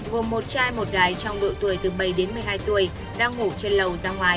gồm một trai một gái trong độ tuổi từ bảy đến một mươi hai tuổi đang ngủ trên lầu ra ngoài